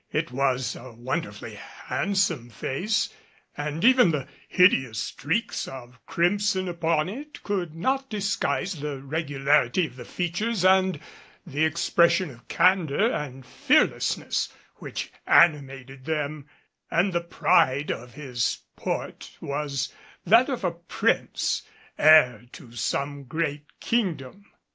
'Twas a wonderfully handsome face and even the hideous streaks of crimson upon it could not disguise the regularity of the features and the expression of candor and fearlessness which animated them; and the pride of his port was that of a prince, heir to some great kingdom.